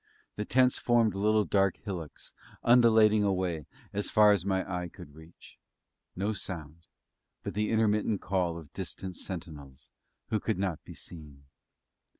The tents formed little dark hillocks, undulating away, as far as the eye could reach. No sound, but the intermittent call of distant sentinels, who could not be seen.